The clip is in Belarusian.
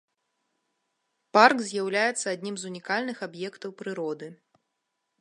Парк з'яўляецца аднім з унікальных аб'ектаў прыроды.